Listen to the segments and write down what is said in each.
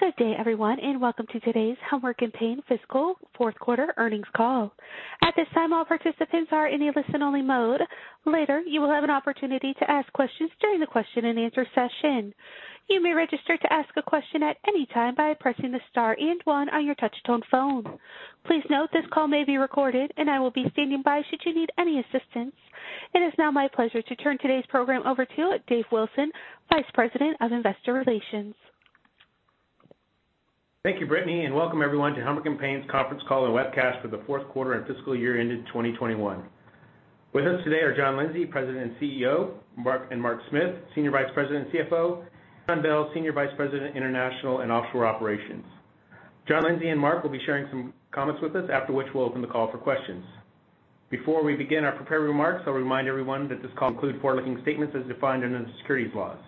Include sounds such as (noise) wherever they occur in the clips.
Good day, everyone, and welcome to today's Helmerich & Payne Fiscal Fourth Quarter Earnings Call. At this time, all participants are in a listen-only mode. Later, you will have an opportunity to ask questions during the question-and-answer session. You may register to ask a question at any time by pressing the star and one on your touch-tone phone. Please note this call may be recorded and I will be standing by should you need any assistance. It is now my pleasure to turn today's program over to Dave Wilson, Vice President of Investor Relations. Thank you, Brittany, and welcome everyone to Helmerich & Payne's conference call and webcast for the fourth quarter and fiscal year ended 2021. With us today are John Lindsay, President and CEO, Mark Smith, Senior Vice President and CFO, and John Bell, Senior Vice President, International and Offshore Operations. John Lindsay and Mark will be sharing some comments with us, after which we'll open the call for questions. Before we begin our prepared remarks, I'll remind everyone that this call includes forward-looking statements as defined under the securities laws.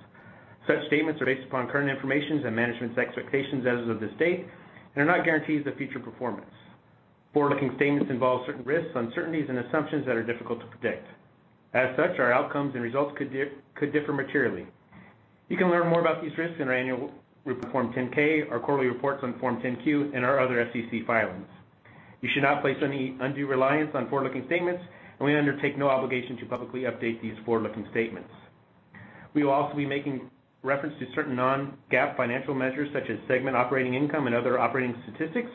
Such statements are based upon current information and management's expectations as of this date and are not guarantees of future performance. Forward-looking statements involve certain risks, uncertainties, and assumptions that are difficult to predict. As such, our outcomes and results could differ materially. You can learn more about these risks in our annual report on Form 10-K, our quarterly reports on Form 10-Q, and our other SEC filings. You should not place any undue reliance on forward-looking statements, and we undertake no obligation to publicly update these forward-looking statements. We will also be making reference to certain non-GAAP financial measures, such as segment operating income and other operating statistics.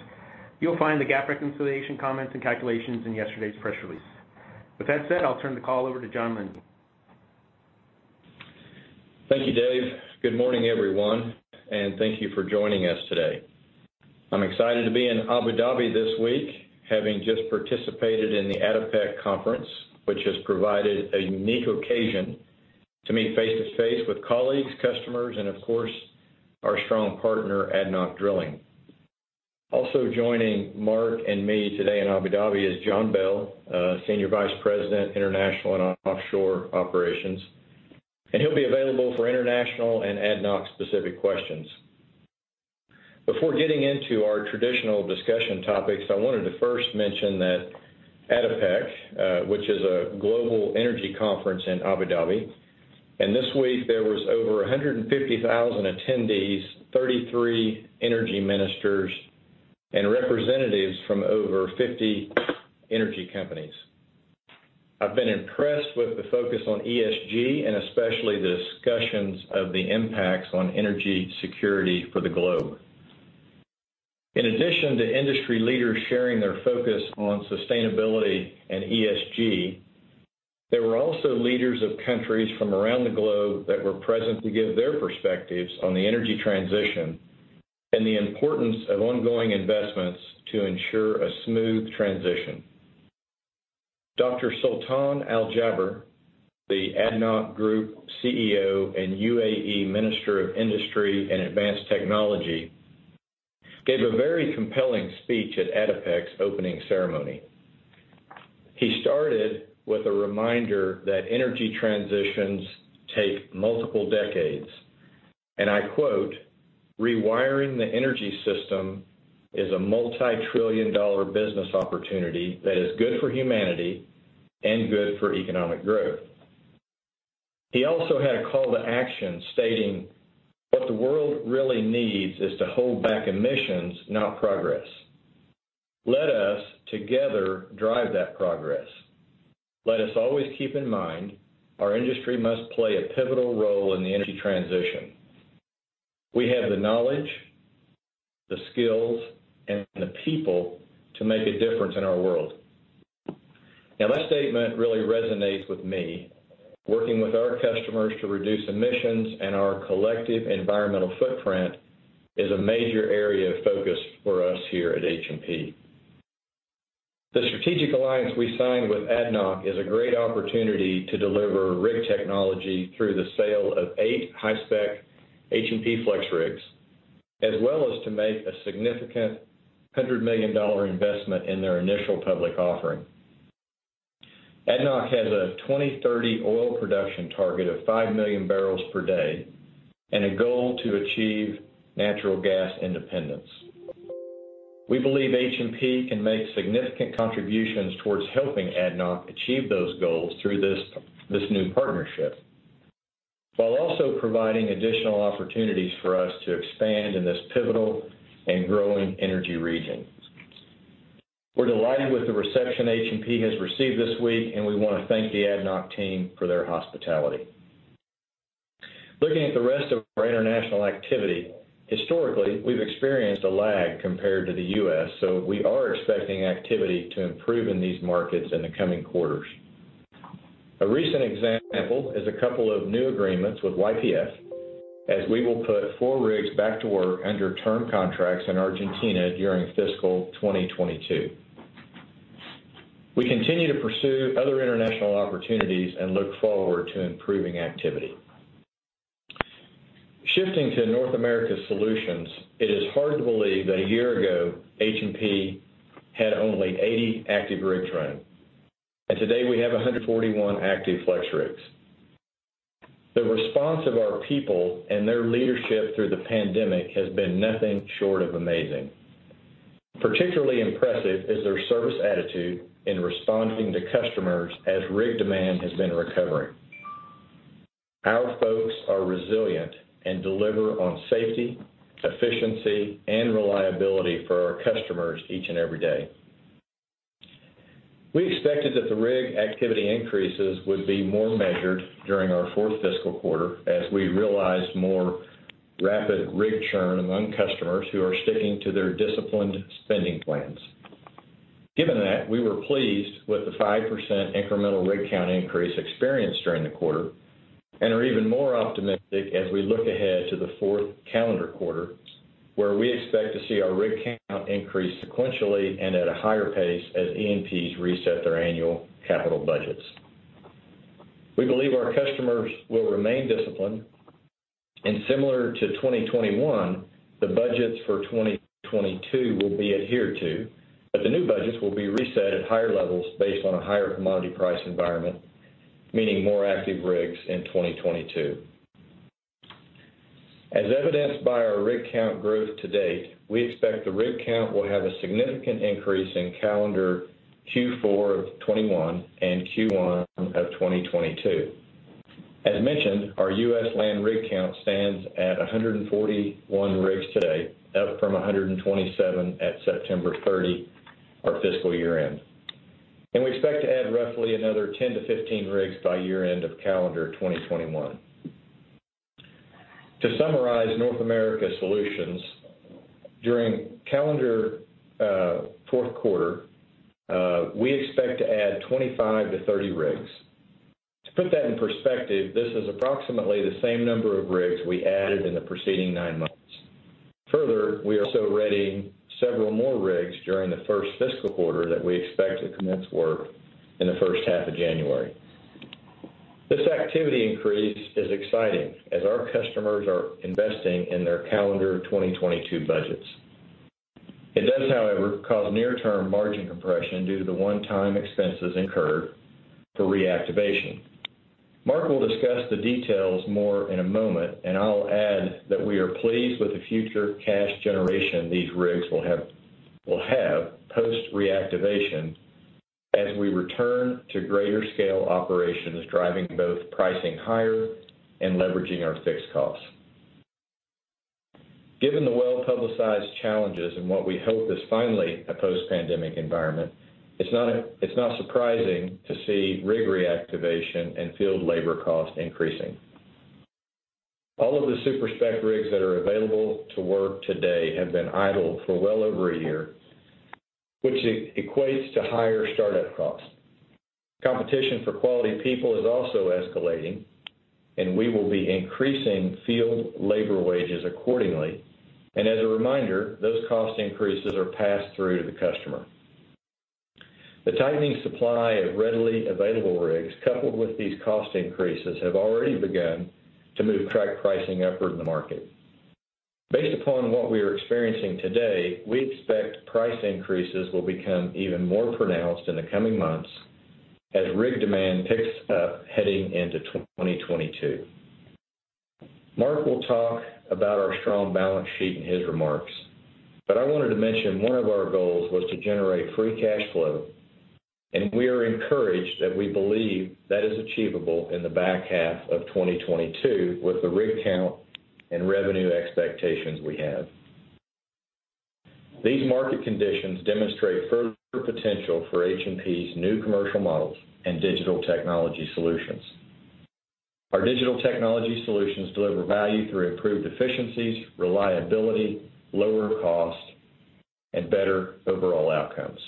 You'll find the GAAP reconciliation comments and calculations in yesterday's press release. With that said, I'll turn the call over to John Lindsay. Thank you, Dave. Good morning, everyone, and thank you for joining us today. I'm excited to be in Abu Dhabi this week, having just participated in the ADIPEC conference, which has provided a unique occasion to meet face-to-face with colleagues, customers, and of course, our strong partner, ADNOC Drilling. Also joining Mark and me today in Abu Dhabi is John Bell, Senior Vice President, International and Offshore Operations, and he'll be available for international and ADNOC-specific questions. Before getting into our traditional discussion topics, I wanted to first mention that ADIPEC, which is a global energy conference in Abu Dhabi, and this week there was over 150,000 attendees, 33 energy ministers and representatives from over 50 energy companies. I've been impressed with the focus on ESG and especially discussions of the impacts on energy security for the globe. In addition to industry leaders sharing their focus on sustainability and ESG, there were also leaders of countries from around the globe that were present to give their perspectives on the energy transition and the importance of ongoing investments to ensure a smooth transition. Dr. Sultan Al Jaber, the ADNOC Group CEO and UAE Minister of Industry and Advanced Technology, gave a very compelling speech at ADIPEC's opening ceremony. He started with a reminder that energy transitions take multiple decades, and I quote, "Rewiring the energy system is a multi-trillion-dollar business opportunity that is good for humanity and good for economic growth." He also had a call to action stating, "What the world really needs is to hold back emissions, not progress. Let us together drive that progress. Let us always keep in mind, our industry must play a pivotal role in the energy transition. We have the knowledge, the skills, and the people to make a difference in our world." Now, that statement really resonates with me. Working with our customers to reduce emissions and our collective environmental footprint is a major area of focus for us here at H&P. The strategic alliance we signed with ADNOC is a great opportunity to deliver rig technology through the sale of eight high-spec H&P FlexRigs, as well as to make a significant $100 million investment in their initial public offering. ADNOC has a 2030 oil production target of 5 MMbpd and a goal to achieve natural gas independence. We believe H&P can make significant contributions towards helping ADNOC achieve those goals through this new partnership, while also providing additional opportunities for us to expand in this pivotal and growing energy region. We're delighted with the reception H&P has received this week, and we wanna thank the ADNOC team for their hospitality. Looking at the rest of our international activity, historically, we've experienced a lag compared to the U.S., so we are expecting activity to improve in these markets in the coming quarters. A recent example is a couple of new agreements with YPF, as we will put four rigs back to work under term contracts in Argentina during fiscal 2022. We continue to pursue other international opportunities and look forward to improving activity. Shifting to North America Solutions, it is hard to believe that a year ago, H&P had only 80 active rigs running. Today we have 141 active FlexRigs. The response of our people and their leadership through the pandemic has been nothing short of amazing. Particularly impressive is their service attitude in responding to customers as rig demand has been recovering. Our folks are resilient and deliver on safety, efficiency, and reliability for our customers each and every day. We expected that the rig activity increases would be more measured during our fourth fiscal quarter as we realized more rapid rig churn among customers who are sticking to their disciplined spending plans. Given that, we were pleased with the 5% incremental rig count increase experienced during the quarter, and are even more optimistic as we look ahead to the fourth calendar quarter, where we expect to see our rig count increase sequentially and at a higher pace as E&Ps reset their annual capital budgets. We believe our customers will remain disciplined, and similar to 2021, the budgets for 2022 will be adhered to, but the new budgets will be reset at higher levels based on a higher commodity price environment, meaning more active rigs in 2022. As evidenced by our rig count growth to date, we expect the rig count will have a significant increase in calendar Q4 of 2021 and Q1 of 2022. As mentioned, our U.S. land rig count stands at 141 rigs today, up from 127 at September 30, our fiscal year-end. We expect to add roughly another 10-15 rigs by year-end of calendar 2021. To summarize North America Solutions, during calendar fourth quarter, we expect to add 25-30 rigs. To put that in perspective, this is approximately the same number of rigs we added in the preceding nine months. Further, we [reactivated] several more rigs during the first fiscal quarter that we expect to commence work in the first half of January. This activity increase is exciting as our customers are investing in their calendar 2022 budgets. It does, however, cause near-term margin compression due to the one-time expenses incurred for reactivation. Mark will discuss the details more in a moment, and I'll add that we are pleased with the future cash generation these rigs will have post-reactivation as we return to greater scale operations, driving both pricing higher and leveraging our fixed costs. Given the well-publicized challenges and what we hope is finally a post-pandemic environment, it's not surprising to see rig reactivation and field labor costs increasing. All of the super-spec rigs that are available to work today have been idle for well over a year, which equates to higher start-up costs. Competition for quality people is also escalating, and we will be increasing field labor wages accordingly. As a reminder, those cost increases are passed through to the customer. The tightening supply of readily available rigs, coupled with these cost increases, have already begun to move track pricing upward in the market. Based upon what we are experiencing today, we expect price increases will become even more pronounced in the coming months as rig demand picks up heading into 2022. Mark will talk about our strong balance sheet in his remarks, but I wanted to mention one of our goals was to generate free cash flow, and we are encouraged that we believe that is achievable in the back half of 2022 with the rig count and revenue expectations we have. These market conditions demonstrate further potential for H&P's new commercial models and digital technology solutions. Our digital technology solutions deliver value through improved efficiencies, reliability, lower cost, and better overall outcomes.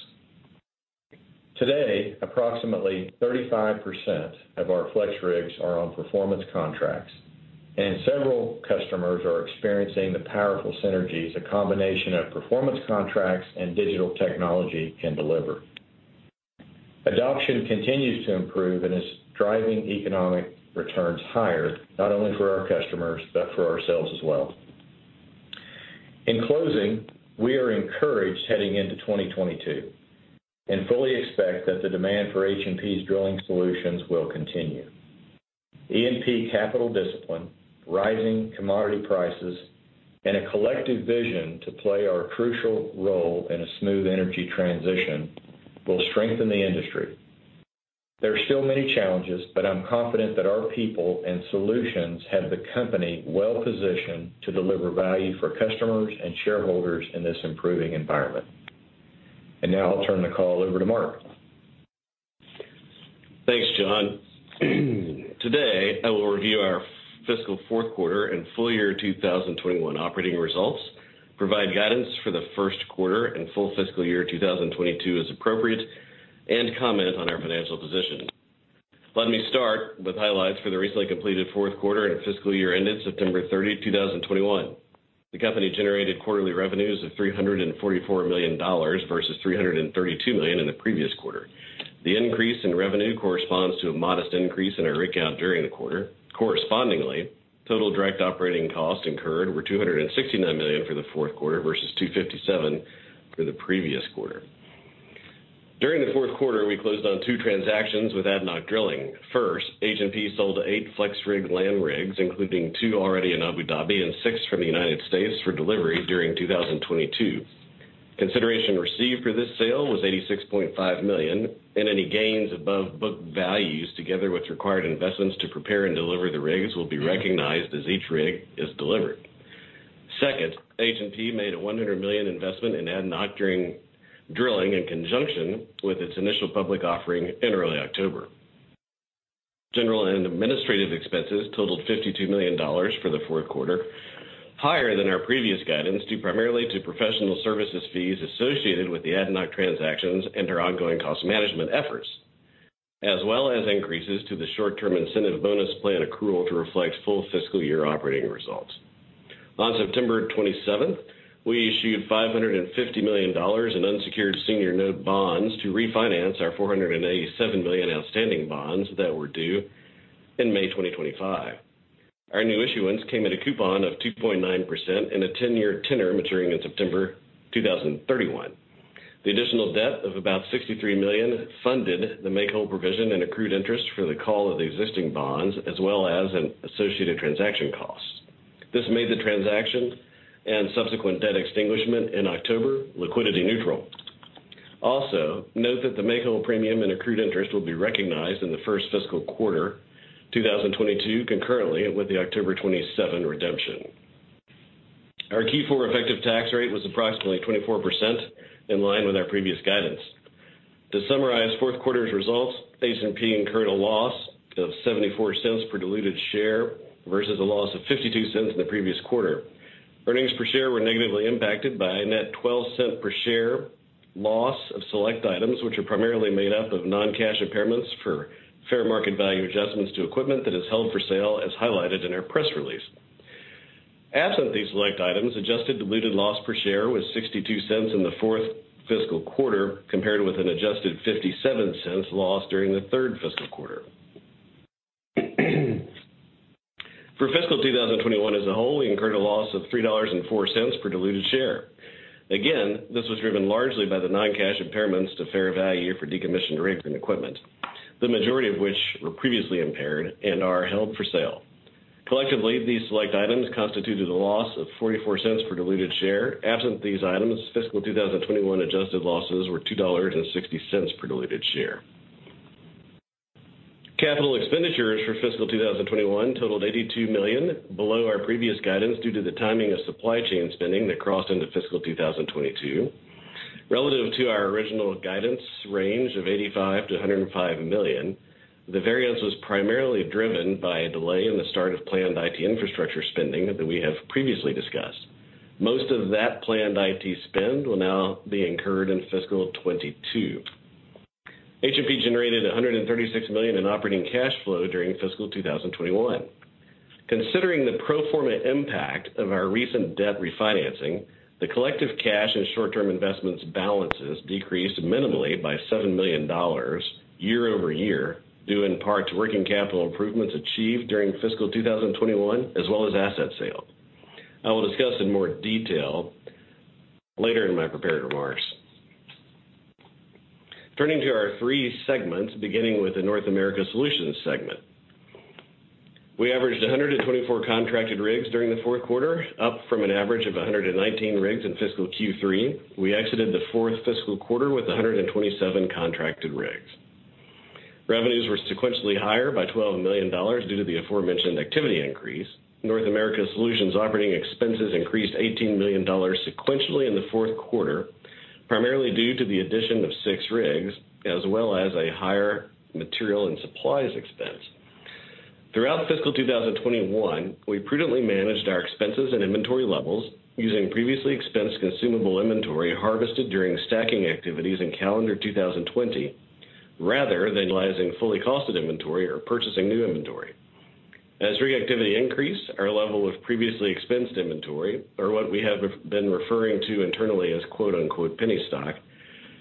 Today, approximately 35% of our FlexRigs are on performance contracts, and several customers are experiencing the powerful synergies, a combination of performance contracts and digital technology can deliver. Adoption continues to improve and is driving economic returns higher, not only for our customers, but for ourselves as well. In closing, we are encouraged heading into 2022, and fully expect that the demand for H&P's drilling solutions will continue. E&P capital discipline, rising commodity prices, and a collective vision to play our crucial role in a smooth energy transition will strengthen the industry. There are still many challenges, but I'm confident that our people and solutions have the company well-positioned to deliver value for customers and shareholders in this improving environment. Now I'll turn the call over to Mark. Thanks, John. Today, I will review our fiscal fourth quarter and full-year 2021 operating results, provide guidance for the first quarter and full fiscal year 2022 as appropriate, and comment on our financial position. Let me start with highlights for the recently completed fourth quarter and fiscal year ended September 30, 2021. The company generated quarterly revenues of $344 million, versus $332 million in the previous quarter. The increase in revenue corresponds to a modest increase in our rig count during the quarter. Correspondingly, total direct operating costs incurred were $269 million for the fourth quarter versus $257 million for the previous quarter. During the fourth quarter, we closed on two transactions with ADNOC Drilling. First, H&P sold eight FlexRig land rigs, including two already in Abu Dhabi, and six from the United States for delivery during 2022. Consideration received for this sale was $86.5 million, and any gains above book values, together with required investments to prepare and deliver the rigs, will be recognized as each rig is delivered. Second, H&P made a $100 million investment in ADNOC Drilling in conjunction with its initial public offering in early October. General and administrative expenses totaled $52 million for the fourth quarter, higher than our previous guidance, due primarily to professional services fees associated with the ADNOC transactions and our ongoing cost management efforts, as well as increases to the short-term incentive bonus plan accrual to reflect full fiscal year operating results. On September 27, we issued $550 million in unsecured senior note bonds to refinance our $487 million outstanding bonds that were due in May 2025. Our new issuance came at a coupon of 2.9% in a 10-year tenor, maturing in September 2031. The additional debt of about $63 million funded the make-whole provision and accrued interest for the call of the existing bonds, as well as associated transaction costs. This made the transaction and subsequent debt extinguishment in October liquidity neutral. Also, note that the make-whole premium and accrued interest will be recognized in the first fiscal quarter 2022, concurrently with the October 27 redemption. Our Q4 effective tax rate was approximately 24%, in line with our previous guidance. To summarize fourth quarter's results, H&P incurred a loss of $0.74 per diluted share versus a loss of $0.52 in the previous quarter. Earnings per share were negatively impacted by a net $0.12 per share loss of select items, which are primarily made up of non-cash impairments for fair market value adjustments to equipment that is held for sale, as highlighted in our press release. Absent these select items, adjusted diluted loss per share was $0.62 in the fourth fiscal quarter, compared with an adjusted $0.57 loss during the third fiscal quarter. For fiscal 2021 as a whole, we incurred a loss of $3.04 per diluted share. Again, this was driven largely by the non-cash impairments to fair value for decommissioned rigs and equipment, the majority of which were previously impaired and are held for sale. Collectively, these select items constituted a loss of $0.44 per diluted share. Absent these items, fiscal 2021 adjusted losses were $2.60 per diluted share. Capital expenditures for fiscal 2021 totaled $82 million, below our previous guidance due to the timing of supply chain spending that crossed into fiscal 2022. Relative to our original guidance range of $85 million-$105 million, the variance was primarily driven by a delay in the start of planned IT infrastructure spending that we have previously discussed. Most of that planned IT spend will now be incurred in fiscal 2022. H&P generated $136 million in operating cash flow during fiscal 2021. Considering the pro forma impact of our recent debt refinancing, the collective cash and short-term investments balances decreased minimally by $7 million year-over-year, due in part to working capital improvements achieved during fiscal 2021, as well as asset sales. I will discuss in more detail later in my prepared remarks. Turning to our three segments, beginning with the North America Solutions segment. We averaged 124 contracted rigs during the fourth quarter, up from an average of 119 rigs in fiscal Q3. We exited the fourth fiscal quarter with 127 contracted rigs. Revenues were sequentially higher by $12 million due to the aforementioned activity increase. North America Solutions operating expenses increased $18 million sequentially in the fourth quarter, primarily due to the addition of six rigs as well as a higher material and supplies expense. Throughout fiscal 2021, we prudently managed our expenses and inventory levels using previously-expensed consumable inventory harvested during stacking activities in calendar 2020, rather than utilizing fully costed inventory or purchasing new inventory. As rig activity increased, our level of previously-expensed inventory, or what we have been referring to internally as quote-unquote penny stock,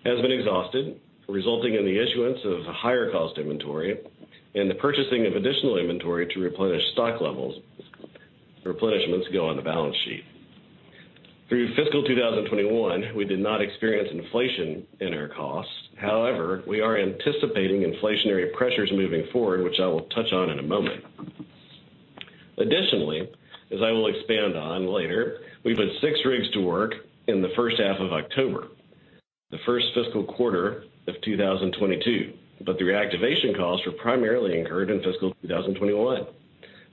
has been exhausted, resulting in the issuance of higher cost inventory and the purchasing of additional inventory to replenish stock levels. Replenishments go on the balance sheet. Through fiscal 2021, we did not experience inflation in our costs. However, we are anticipating inflationary pressures moving forward, which I will touch on in a moment. Additionally, as I will expand on later, we put six rigs to work in the first half of October, the first fiscal quarter of 2022, but the reactivation costs were primarily incurred in fiscal 2021.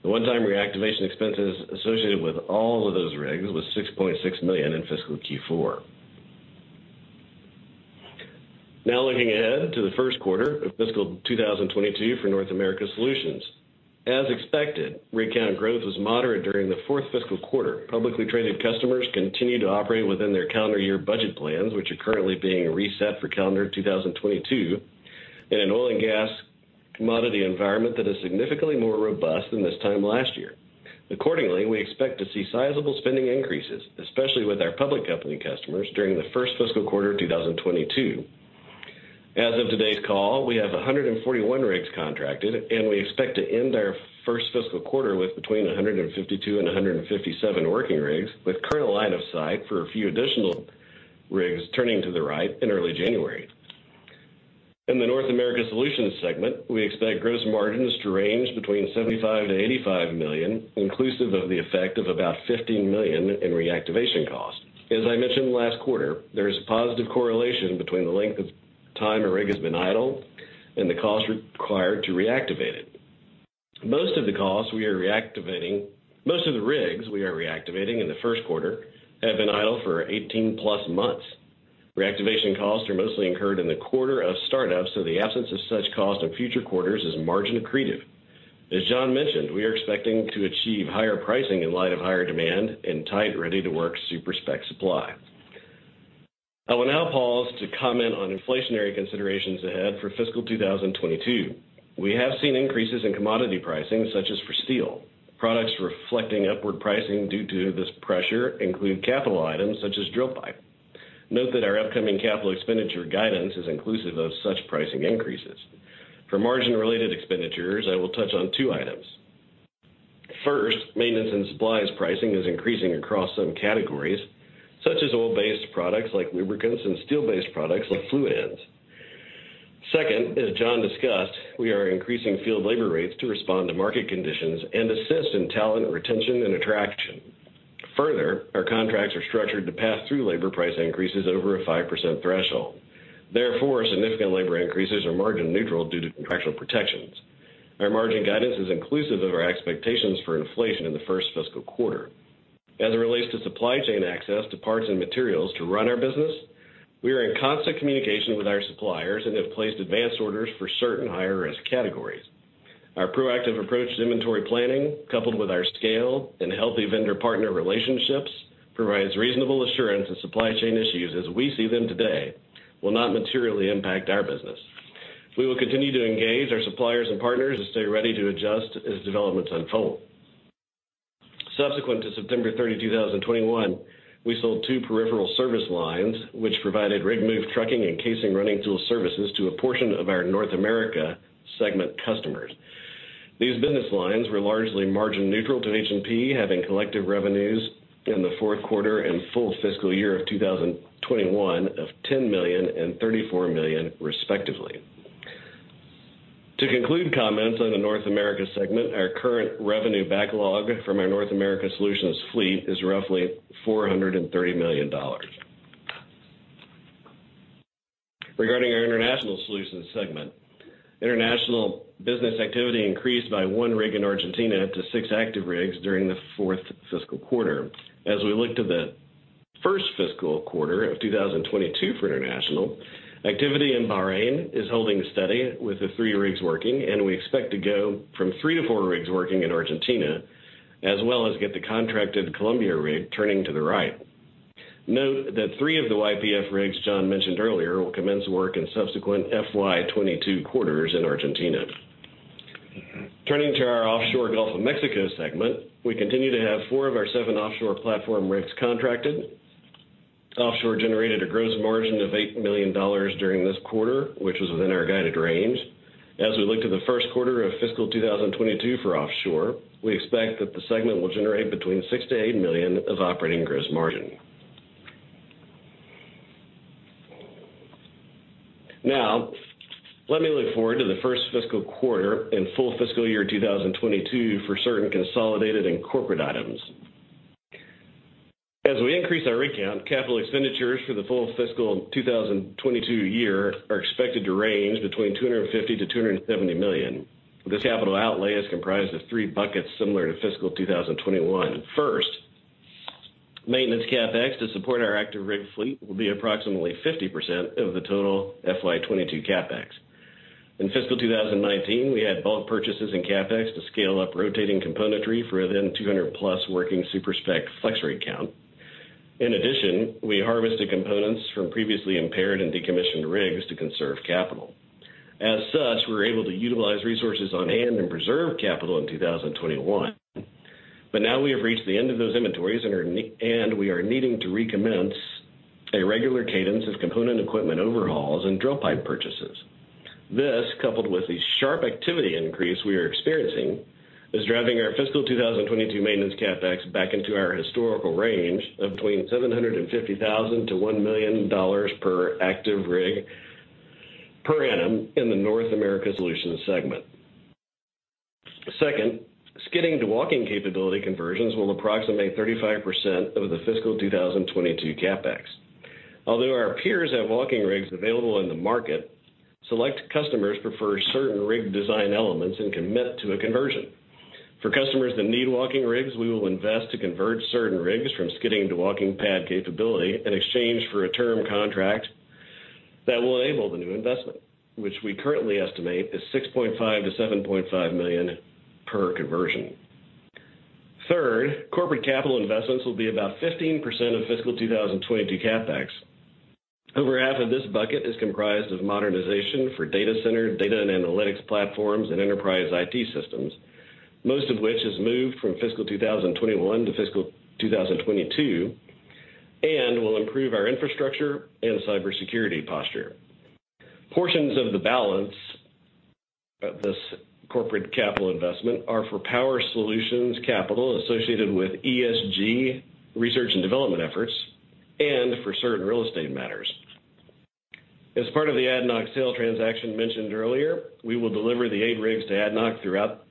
The one-time reactivation expenses associated with all of those rigs was $6.6 million in fiscal Q4. Now looking ahead to the first quarter of fiscal 2022 for North America Solutions, as expected, rig count growth was moderate during the fourth fiscal quarter. Publicly-traded customers continue to operate within their calendar year budget plans, which are currently being reset for calendar 2022, in an oil and gas commodity environment that is significantly more robust than this time last year. Accordingly, we expect to see sizable spending increases, especially with our public company customers, during the first fiscal quarter of 2022. As of today's call, we have 141 rigs contracted, and we expect to end our first fiscal quarter with between 152 and 157 working rigs, with current line of sight for a few additional rigs turning to the right in early January. In the North America Solutions segment, we expect gross margins to range between $75 million and $85 million, inclusive of the effect of about $15 million in reactivation costs. As I mentioned last quarter, there is a positive correlation between the length of time a rig has been idle and the cost required to reactivate it. Most of the rigs we are reactivating in the first quarter have been idle for 18+ months. Reactivation costs are mostly incurred in the quarter of startup, so the absence of such cost in future quarters is margin accretive. As John mentioned, we are expecting to achieve higher pricing in light of higher demand and tight ready-to-work super-spec supply. I will now pause to comment on inflationary considerations ahead for fiscal 2022. We have seen increases in commodity pricing, such as for steel. Products reflecting upward pricing due to this pressure include capital items such as drill pipe. Note that our upcoming capital expenditure guidance is inclusive of such pricing increases. For margin-related expenditures, I will touch on two items. First, maintenance and supplies pricing is increasing across some categories, such as oil-based products like lubricants and steel-based products like fluid ends. Second, as John discussed, we are increasing field labor rates to respond to market conditions and assist in talent retention and attraction. Further, our contracts are structured to pass through labor price increases over a 5% threshold. Therefore, significant labor increases are margin neutral due to contractual protections. Our margin guidance is inclusive of our expectations for inflation in the first fiscal quarter. As it relates to supply chain access to parts and materials to run our business, we are in constant communication with our suppliers and have placed advanced orders for certain higher-risk categories. Our proactive approach to inventory planning, coupled with our scale and healthy vendor partner relationships, provides reasonable assurance that supply chain issues as we see them today will not materially impact our business. We will continue to engage our suppliers and partners to stay ready to adjust as developments unfold. Subsequent to September 30, 2021, we sold two peripheral service lines which provided rig move trucking and casing running tool services to a portion of our North America segment customers. These business lines were largely margin-neutral to H&P, having collective revenues in the fourth quarter and full fiscal year of 2021 of $10 million and $34 million, respectively. To conclude comments on the North America Solutions, our current revenue backlog from our North America Solutions fleet is roughly $430 million. Regarding our International Solutions segment, international business activity increased by one rig in Argentina to six active rigs during the fourth fiscal quarter. As we look to the first fiscal quarter of 2022 for international, activity in Bahrain is holding steady with the 3 rigs working, and we expect to go from three to four rigs working in Argentina, as well as get the contracted Colombia rig turning to the right. Note that three of the YPF rigs John mentioned earlier will commence work in subsequent FY 2022 quarters in Argentina. Turning to our offshore Gulf of Mexico segment, we continue to have four of our seven offshore platform rigs contracted. Offshore generated a gross margin of $8 million during this quarter, which was within our guided range. As we look to the first quarter of fiscal 2022 for offshore, we expect that the segment will generate between $6 million-$8 million of operating gross margin. Now, let me look forward to the first fiscal quarter and full fiscal year 2022 for certain consolidated and corporate items. As we increase our rig count, capital expenditures for the full fiscal 2022 year are expected to range between $250 million-$270 million. This capital outlay is comprised of three buckets similar to fiscal 2021. First, maintenance CapEx to support our active rig fleet will be approximately 50% of the total FY 2022 CapEx. In fiscal 2019, we had bulk purchases in CapEx to scale up rotating componentry for then 200+ working super-spec FlexRig count. In addition, we harvested components from previously impaired and decommissioned rigs to conserve capital. As such, we were able to utilize resources on hand and preserve capital in 2021. Now we have reached the end of those inventories and we are needing to recommence a regular cadence of component equipment overhauls and drill pipe purchases. This, coupled with the sharp activity increase we are experiencing, is driving our fiscal 2022 maintenance CapEx back into our historical range of between $750,000 and $1 million per active rig per annum in the North America Solutions segment. Second, skidding to walking capability conversions will approximate 35% of the fiscal 2022 CapEx. Although our peers have walking rigs available in the market, select customers prefer certain rig design elements and commit to a conversion. For customers that need walking rigs, we will invest to convert certain rigs from skidding to walking pad capability in exchange for a term contract that will enable the new investment, which we currently estimate is $6.5 million-$7.5 million per conversion. Third, corporate capital investments will be about 15% of fiscal 2022 CapEx. Over half of this bucket is comprised of modernization for data center, data and analytics platforms, and enterprise IT systems, most of which has moved from fiscal 2021 to fiscal 2022 and will improve our infrastructure and cybersecurity posture. Portions of the balance of this corporate capital investment are for power solutions capital associated with ESG research and development efforts and for certain real estate matters. As part of the ADNOC sale transaction mentioned earlier, we will deliver the eight rigs to ADNOC throughout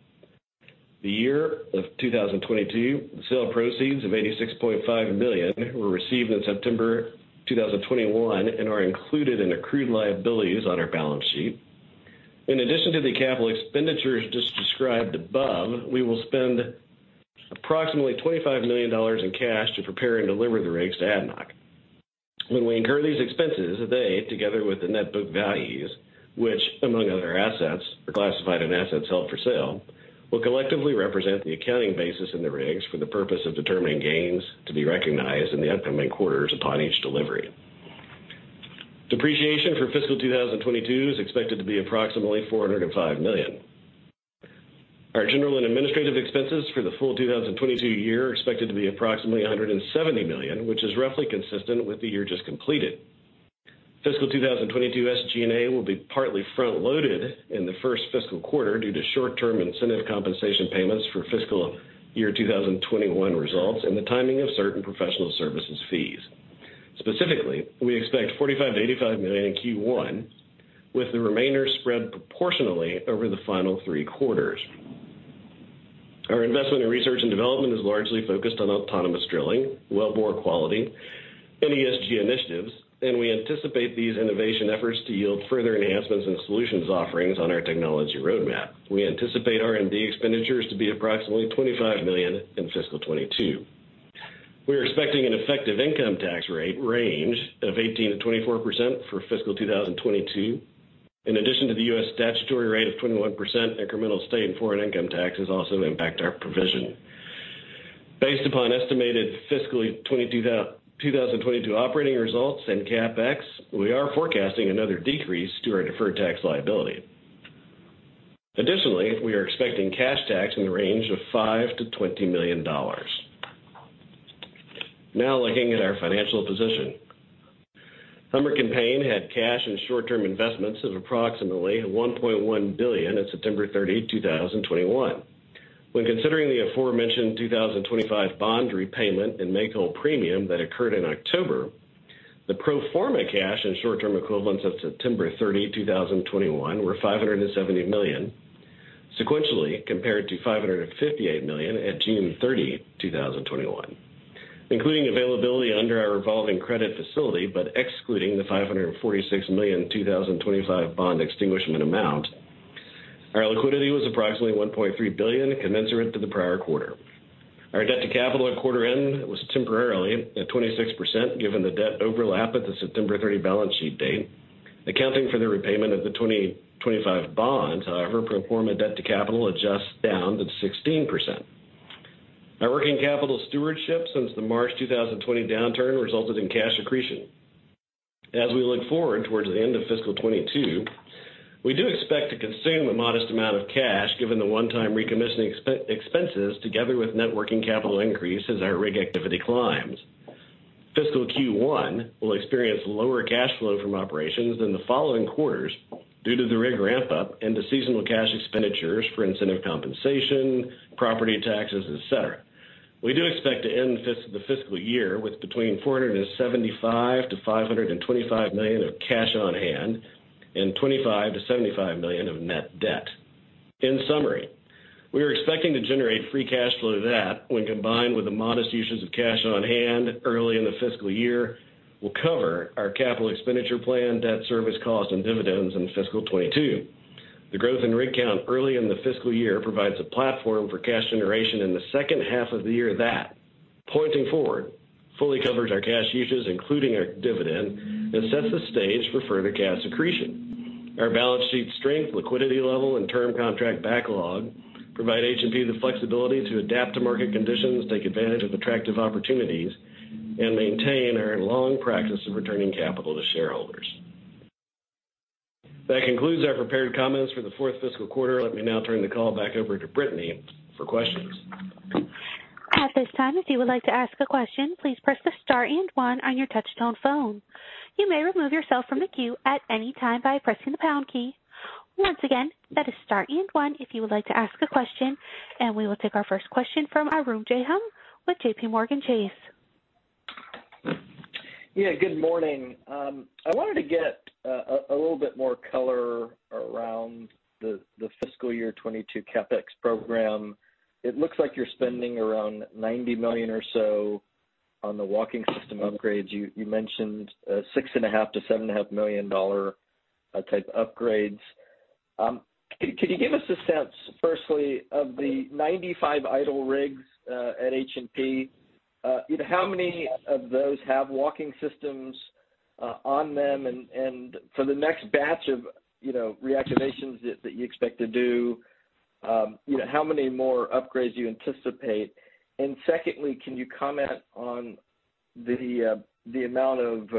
the year of 2022. The sale proceeds of $86.5 million were received in September 2021 and are included in accrued liabilities on our balance sheet. In addition to the capital expenditures just described above, we will spend approximately $25 million in cash to prepare and deliver the rigs to ADNOC. When we incur these expenses, they, together with the net book values, which among other assets, are classified in assets held for sale, will collectively represent the accounting basis in the rigs for the purpose of determining gains to be recognized in the upcoming quarters upon each delivery. Depreciation for fiscal 2022 is expected to be approximately $405 million. Our general and administrative expenses for the full 2022 year are expected to be approximately $170 million, which is roughly consistent with the year just completed. Fiscal 2022 SG&A will be partly front-loaded in the first fiscal quarter due to short-term incentive compensation payments for fiscal year 2021 results and the timing of certain professional services fees. Specifically, we expect $45 million-$85 million in Q1, with the remainder spread proportionally over the final three quarters. Our investment in research and development is largely focused on autonomous drilling, well bore quality, and ESG initiatives, and we anticipate these innovation efforts to yield further enhancements and solutions offerings on our technology roadmap. We anticipate R&D expenditures to be approximately $25 million in fiscal 2022. We're expecting an effective income tax rate range of 18%-24% for fiscal 2022. In addition to the U.S. statutory rate of 21%, incremental state and foreign income taxes also impact our provision. Based upon estimated fiscal year 2022 operating results and CapEx, we are forecasting another decrease to our deferred tax liability. Additionally, we are expecting cash tax in the range of $5 million-$20 million. Now looking at our financial position. Helmerich & Payne had cash and short-term investments of approximately $1.1 billion at September 30, 2021. When considering the aforementioned 2025 bond repayment and make-whole premium that occurred in October, the pro forma cash and short-term equivalents of September 30, 2021 were $570 million, sequentially compared to $558 million at June 30, 2021. Including availability under our revolving credit facility, but excluding the $546 million 2025 bond extinguishment amount, our liquidity was approximately $1.3 billion commensurate to the prior quarter. Our debt-to-capital at quarter end was temporarily at 26% given the debt overlap at the September 30 balance sheet date. Accounting for the repayment of the 2025 bonds, however, pro forma debt-to-capital adjusts down to 16%. Our working capital stewardship since the March 2020 downturn resulted in cash accretion. As we look forward towards the end of fiscal 2022, we do expect to consume a modest amount of cash given the one-time recommissioning expenses together with net working capital increase as our rig activity climbs. Fiscal Q1 will experience lower cash flow from operations in the following quarters due to the rig ramp-up and the seasonal cash expenditures for incentive compensation, property taxes, et cetera. We do expect to end the fiscal year with between $475 million-$525 million of cash on hand and $25 million-$75 million of net debt. In summary, we are expecting to generate free cash flow that, when combined with the modest uses of cash on hand early in the fiscal year, will cover our capital expenditure plan, debt service cost, and dividends in fiscal 2022. The growth in rig count early in the fiscal year provides a platform for cash generation in the second half of the year that, pointing forward, fully covers our cash uses, including our dividend, and sets the stage for further cash accretion. Our balance sheet strength, liquidity level, and term contract backlog provide H&P the flexibility to adapt to market conditions, take advantage of attractive opportunities, and maintain our long practice of returning capital to shareholders. That concludes our prepared comments for the fourth fiscal quarter. Let me now turn the call back over to Brittany for questions. At this time, if you would like to ask a question, please press the star and one on your touch-tone phone. You may remove yourself from the queue at any time by pressing the pound key. Once again, that is star and one if you would like to ask a question, and we will take our first question from Arun Jayaram with JPMorgan Chase. Yeah, good morning. I wanted to get a little bit more color around the fiscal year 2022 CapEx program. It looks like you're spending around $90 million or so on the walking system upgrades. You mentioned $6.5 million-$7.5 million type upgrades. Can you give us a sense, firstly, of the 95 idle rigs at H&P? You know, how many of those have walking systems on them? And for the next batch of, you know, reactivations that you expect to do, you know, how many more upgrades you anticipate? And secondly, can you comment on the amount of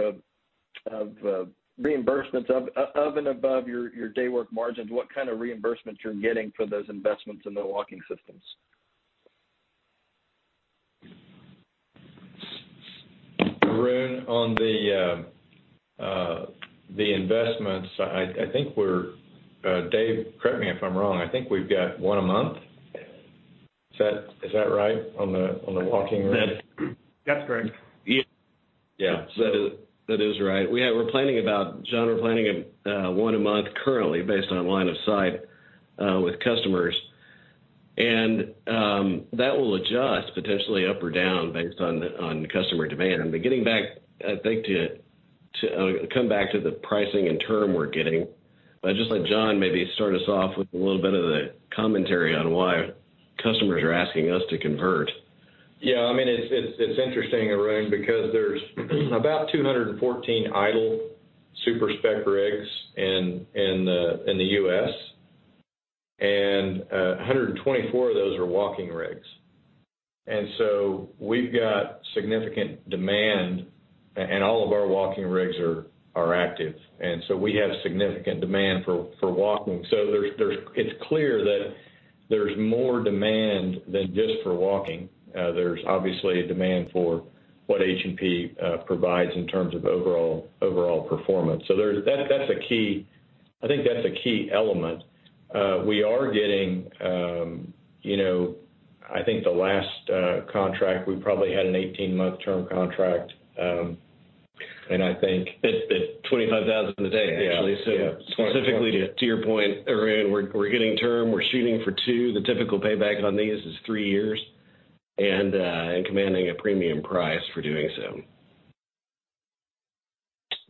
reimbursements over and above your daywork margins? What kind of reimbursements you're getting for those investments in the walking systems? On the investments, I think we're, Dave, correct me if I'm wrong. I think we've got one a month? Is that right on the walking rig? That's correct. Yeah. That is right. We're planning about one a month currently, John, based on line of sight with customers. That will adjust potentially up or down based on customer demand. Getting back, I think, to come back to the pricing and term we're getting, I'd just let John maybe start us off with a little bit of the commentary on why customers are asking us to convert. Yeah. I mean, it's interesting, Arun, because there's about 214 idle super-spec rigs in the U.S., and 124 of those are walking rigs. We've got significant demand, and all of our walking rigs are active, and we have significant demand for walking. It's clear that there's more demand than just for walking. There's obviously a demand for what H&P provides in terms of overall performance. That's a key— I think that's a key element. We are getting, you know. I think the last contract, we probably had an 18-month term contract, and I think- At $25,000 a day, actually. Yeah. Yeah. Specifically to your point, Arun, we're getting terms, we're shooting for two. The typical payback on these is three years, and commanding a premium price for doing so.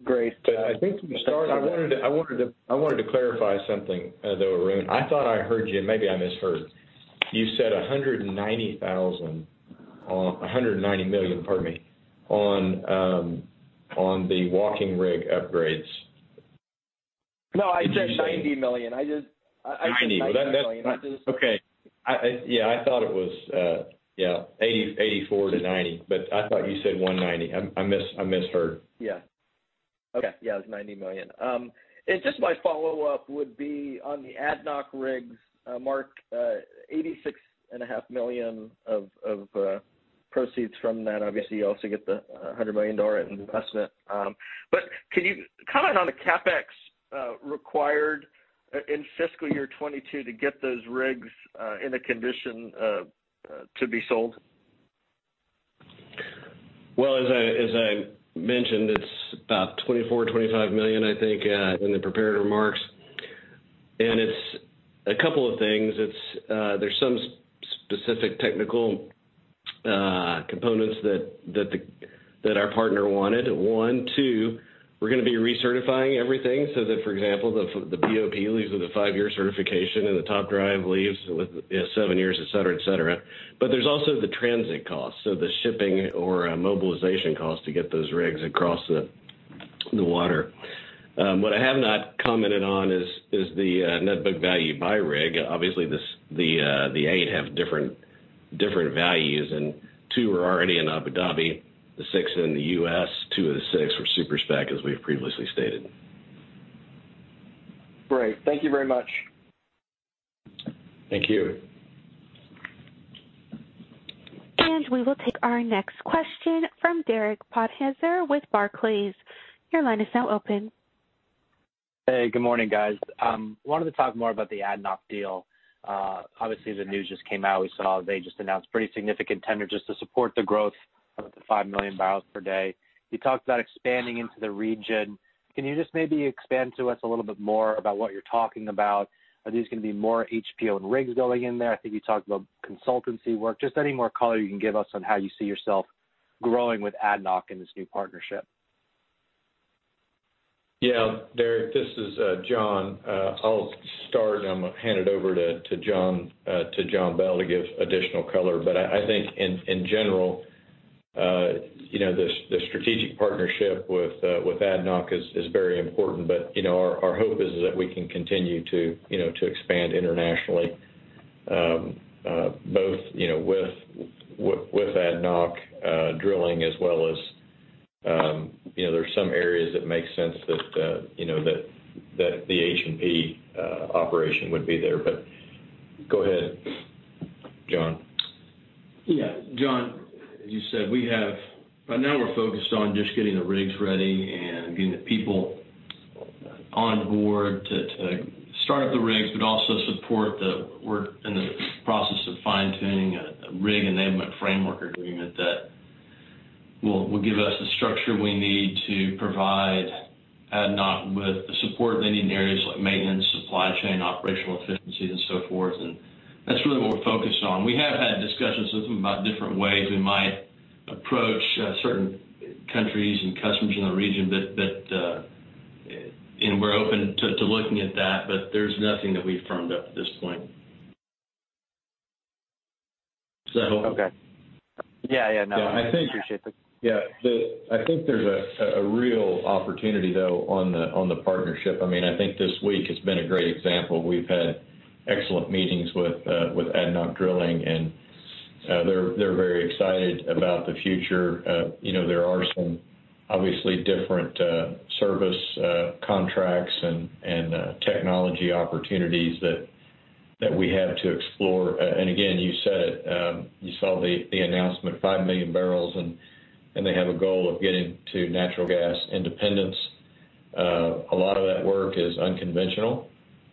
Great. I think to start, I wanted to clarify something, though, Arun. I thought I heard you, and maybe I misheard. You said $190,000— $190 million, pardon me, on the walking rig upgrades. No, I said $90 million. I just— (crosstalk) $90 million. Okay. Yeah, I thought it was, yeah, $84 million-$90 million, but I thought you said $190 million. I misheard. Yeah. Okay. Yeah, it was $90 million. Just my follow-up would be on the ADNOC rigs, Mark, $86.5 million of proceeds from that. Obviously, you also get the $100 million investment. Can you comment on the CapEx required in fiscal year 2022 to get those rigs in a condition to be sold? Well, as I mentioned, it's about $24 million, $25 million, I think, in the prepared remarks. It's a couple of things. There's some specific technical components that our partner wanted, one. Two, we're gonna be recertifying everything so that, for example, the BOP leaves with a five-year certification and the top drive leaves with seven years, et cetera. There's also the transit costs, so the shipping or mobilization costs to get those rigs across the water. What I have not commented on is the net book value by rig. Obviously, the eight have different values, and two are already in Abu Dhabi. The six in the U.S., two of the six were super-spec, as we've previously stated. Great. Thank you very much. Thank you. We will take our next question from Derek Podhaizer with Barclays. Your line is now open. Hey, good morning, guys. Wanted to talk more about the ADNOC deal. Obviously, the news just came out. We saw they just announced pretty significant tender just to support the growth of the 5 MMbpd. You talked about expanding into the region. Can you just maybe expand to us a little bit more about what you're talking about? Are these gonna be more H&P-owned rigs going in there? I think you talked about consultancy work. Just any more color you can give us on how you see yourself growing with ADNOC in this new partnership. Yeah. Derek, this is John. I'll start, and I'm gonna hand it over to John Bell to give additional color. I think in general, you know, the strategic partnership with ADNOC is very important. You know, our hope is that we can continue to expand internationally, both with ADNOC Drilling, as well as, you know, there are some areas that make sense that the H&P operation would be there. Go ahead, John. Yeah. John, as you said, we have. Right now we're focused on just getting the rigs ready and getting the people on board to start up the rigs, but also support the— We're in the process of fine-tuning a rig-enablement framework agreement that will give us the structure we need to provide ADNOC with the support they need in areas like maintenance, supply chain, operational efficiencies, and so forth. That's really what we're focused on. We have had discussions with them about different ways we might approach certain countries and customers in the region that and we're open to looking at that, but there's nothing that we've firmed up at this point. Does that help? Okay. Yeah, yeah. No. Appreciate the— Yeah. I think there's a real opportunity, though, on the partnership. I mean, I think this week has been a great example. We've had excellent meetings with ADNOC Drilling, and they're very excited about the future. You know, there are some obviously different service contracts and technology opportunities that we have to explore. Again, you said it, you saw the announcement, 5 million bbl and they have a goal of getting to natural gas independence. A lot of that work is unconventional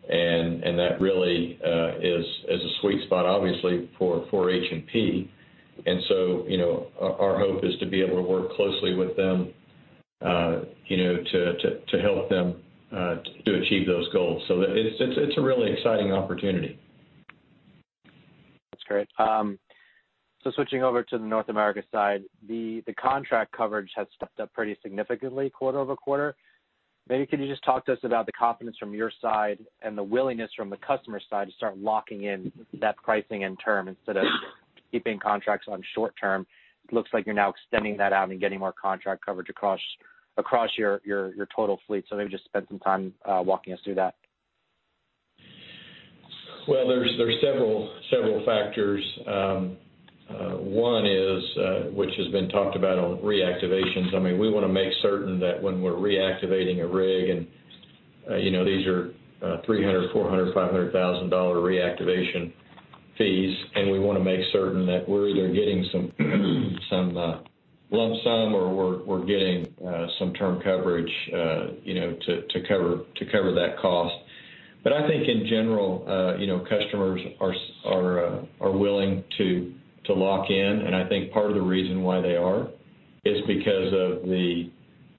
and that really is a sweet spot, obviously, for H&P. You know, our hope is to be able to work closely with them, you know, to help them to achieve those goals. It's a really exciting opportunity. That's great. Switching over to the North America side, the contract coverage has stepped up pretty significantly quarter-over-quarter. Maybe could you just talk to us about the confidence from your side and the willingness from the customer side to start locking in that pricing and term instead of keeping contracts on short term? It looks like you're now extending that out and getting more contract coverage across your total fleet. Maybe just spend some time walking us through that. Well, there's several factors. One is, which has been talked about on reactivations. I mean, we wanna make certain that when we're reactivating a rig and, you know, these are $300,000, $400,000, $500,000 reactivation fees, and we wanna make certain that we're either getting some lump sum or we're getting some term coverage, you know, to cover that cost. I think in general, you know, customers are willing to lock in. I think part of the reason why they are is because of the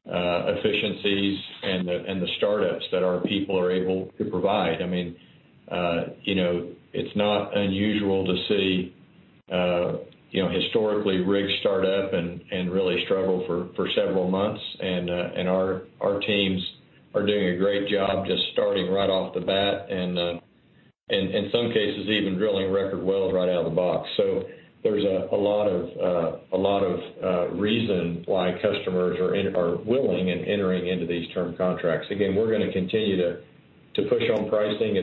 efficiencies and the startups that our people are able to provide. I mean, you know, it's not unusual to see, you know, historically rigs start up and really struggle for several months. Our teams are doing a great job just starting right off the bat and in some cases even drilling record wells right out of the box. There's a lot of reason why customers are willing to enter into these term contracts. Again, we're gonna continue to push on pricing.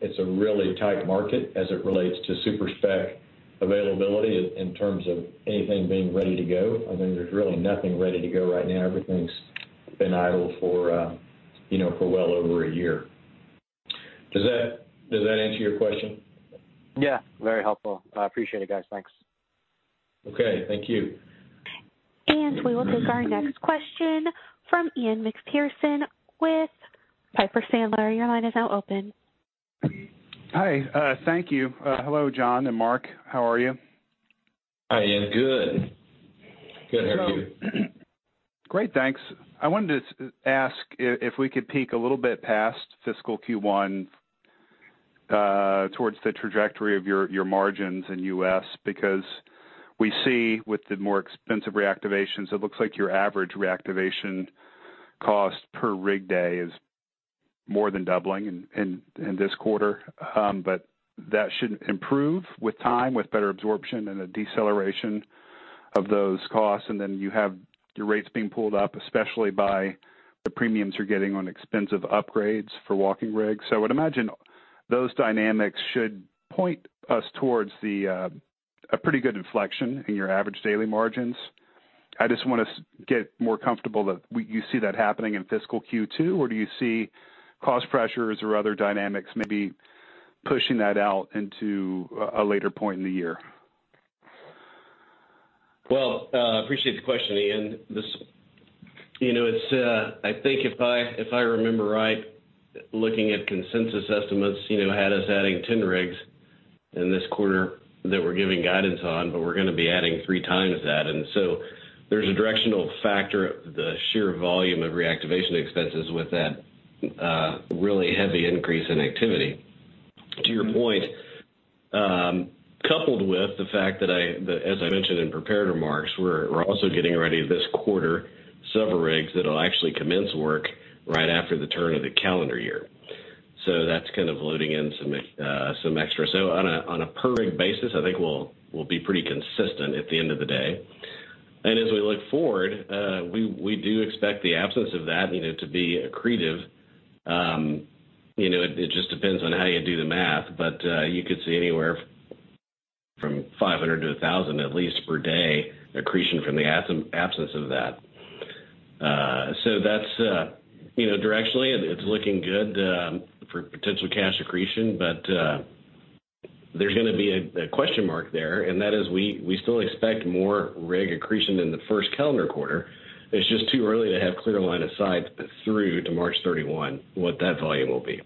It's a really tight market as it relates to super-spec availability in terms of anything being ready to go. I mean, there's really nothing ready to go right now. Everything's been idle for you know for well over a year. Does that answer your question? Yeah, very helpful. I appreciate it, guys. Thanks. Okay, thank you. We will take our next question from Ian Macpherson with Piper Sandler. Your line is now open. Hi, thank you. Hello, John and Mark. How are you? Hi, Ian. Good. Good. How are you? Great, thanks. I wanted to ask if we could peek a little bit past fiscal Q1 towards the trajectory of your margins in U.S., because we see with the more expensive reactivations, it looks like your average reactivation cost per rig day is more than doubling in this quarter. That should improve with time, with better absorption and a deceleration of those costs. You have your rates being pulled up, especially by the premiums you're getting on expensive upgrades for walking rigs. I would imagine those dynamics should point us towards a pretty good inflection in your average daily margins. I just wanna get more comfortable that you see that happening in fiscal Q2, or do you see cost pressures or other dynamics maybe pushing that out into a later point in the year? Well, appreciate the question, Ian. This, you know, it's, I think if I remember right, looking at consensus estimates, you know, had us adding 10 rigs in this quarter that we're giving guidance on, but we're gonna be adding three times that. There's a directional factor, the sheer volume of reactivation expenses with that, really heavy increase in activity. To your point, coupled with the fact that as I mentioned in prepared remarks, we're also getting ready this quarter, several rigs that'll actually commence work right after the turn of the calendar year. That's kind of loading in some extra. On a per rig basis, I think we'll be pretty consistent at the end of the day. As we look forward, we do expect the absence of that, you know, to be accretive. You know, it just depends on how you do the math, but you could see anywhere from $500-$1,000 at least per day accretion from the absence of that. So that's, you know, directionally it's looking good, for potential cash accretion, but there's gonna be a question mark there, and that is we still expect more rig accretion in the first calendar quarter. It's just too early to have clear line of sight through to March 31 what that volume will be.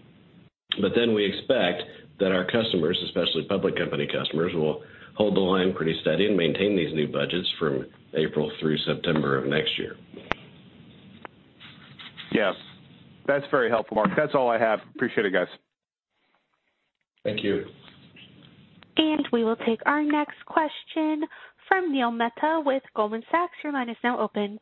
But then we expect that our customers, especially public company customers, will hold the line pretty steady and maintain these new budgets from April through September of next year. Yes, that's very helpful, Mark. That's all I have. Appreciate it, guys. Thank you. We will take our next question from Neil Mehta with Goldman Sachs. Your line is now open.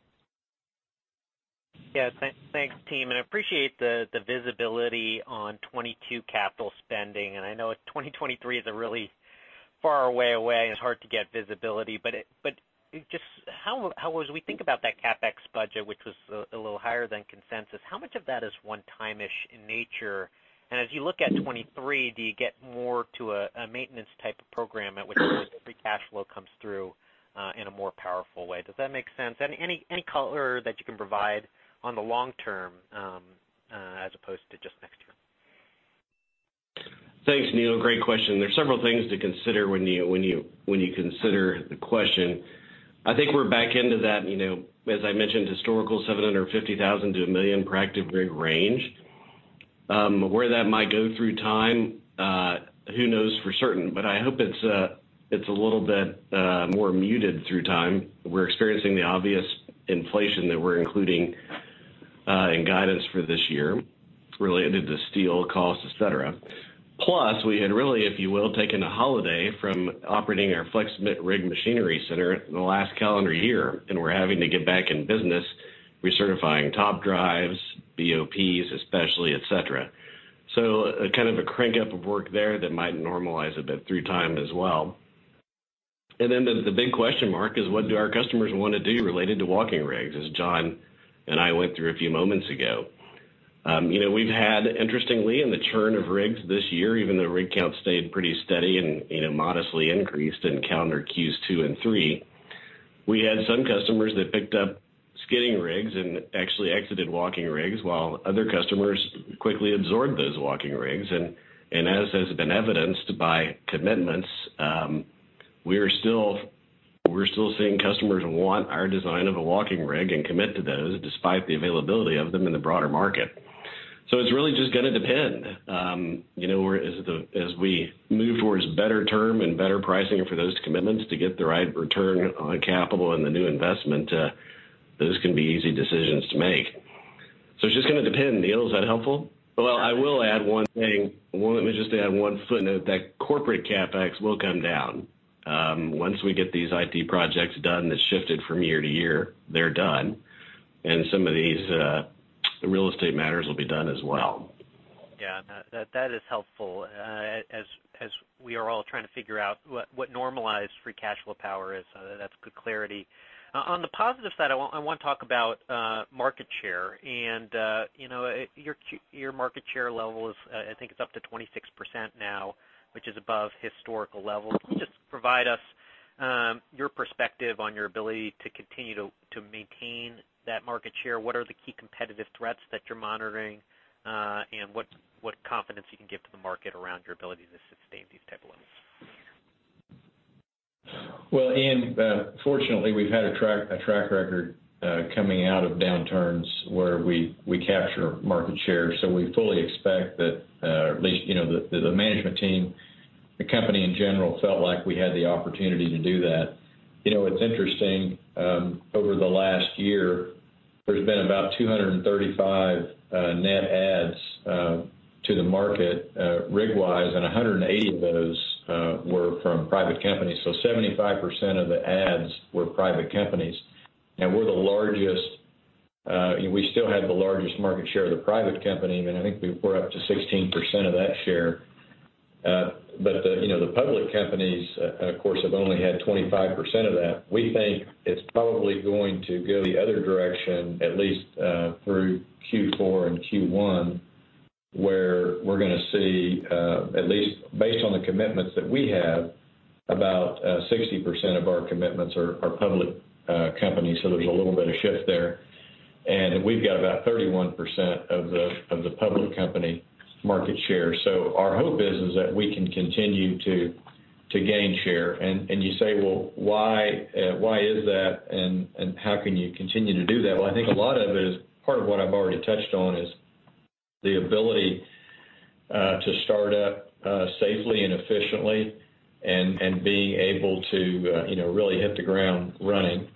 Yeah, thanks, team, and appreciate the visibility on 2022 capital spending. I know that 2023 is a really far way away and it's hard to get visibility, but just how as we think about that CapEx budget, which was a little higher than consensus, how much of that is one-time-ish in nature? As you look at 2023, do you get more to a maintenance-type of program at which (audio distortion) cash flow comes through in a more powerful way? Does that make sense? Any color that you can provide on the long term as opposed to just next year? Thanks, Neil. Great question. There are several things to consider when you consider the question. I think we're back into that, you know, as I mentioned, historical 750,000-1 million active rig range. Where that might go through time, who knows for certain, but I hope it's a little bit more muted through time. We're experiencing the obvious inflation that we're including in guidance for this year related to steel costs, et cetera. Plus, we had really, if you will, taken a holiday from operating our FlexRig Machinery Center in the last calendar year, and we're having to get back in business, recertifying top drives, BOPs especially, et cetera. Kind of a crank up of work there that might normalize a bit through time as well. The big question mark is what do our customers wanna do related to walking rigs, as John and I went through a few moments ago. You know, we've had interestingly, in the churn of rigs this year, even though rig count stayed pretty steady and, you know, modestly increased in calendar Q2 and Q3. We had some customers that picked up skidding rigs and actually exited walking rigs, while other customers quickly absorbed those walking rigs. As has been evidenced by commitments, we're still seeing customers want our design of a walking rig and commit to those despite the availability of them in the broader market. It's really just gonna depend where as we move towards better term and better pricing for those commitments to get the right return on capital and the new investment, those can be easy decisions to make. It's just gonna depend, Neil, is that helpful? Well, I will add one thing. Let me just add one footnote, that corporate CapEx will come down. Once we get these IT projects done that shifted from year-to-year, they're done, and some of these real estate matters will be done as well. Yeah. That is helpful. We are all trying to figure out what normalized free cash flow power is. That's good clarity. On the positive side, I wanna talk about market share and your market share level is, I think it's up to 26% now, which is above historical levels. Just provide us your perspective on your ability to continue to maintain that market share. What are the key competitive threats that you're monitoring, and what confidence you can give to the market around your ability to sustain these type of levels? Well, Ian, fortunately, we've had a track record coming out of downturns where we capture market share. We fully expect that, at least, you know, the management team, the company in general, felt like we had the opportunity to do that. You know, it's interesting, over the last year, there's been about 235 net adds to the market, rig-wise, and 180 of those were from private companies. 75% of the adds were private companies. We're the largest, we still have the largest market share of the private company, and I think we're up to 16% of that share. But the public companies, of course, have only had 25% of that. We think it's probably going to go the other direction at least through Q4 and Q1, where we're gonna see at least based on the commitments that we have, about 60% of our commitments are public companies. There's a little bit of shift there. We've got about 31% of the public company market share. Our hope is that we can continue to gain share. You say, "Well, why is that and how can you continue to do that?" Well, I think a lot of it is part of what I've already touched on is the ability to start up safely and efficiently and being able to you know really hit the ground running.